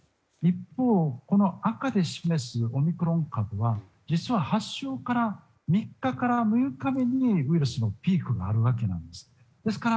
一方、赤で示すオミクロン株は実は発症から３日から６日目にウイルスのピークがあるわけです。